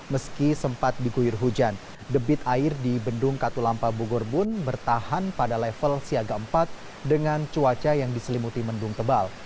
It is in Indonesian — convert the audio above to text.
meski sempat diguyur hujan debit air di bendung katulampa bogor pun bertahan pada level siaga empat dengan cuaca yang diselimuti mendung tebal